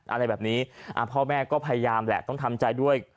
อะไรแบบนี้พ่อแม่ก็พยายามแหละต้องทำใจด้วย